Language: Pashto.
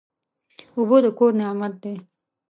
اوبه د کور نعمت دی.